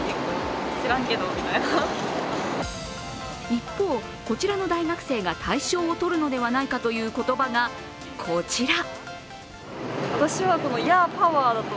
一方、こちらの大学生が大賞を取るのではないかという言葉がこちら。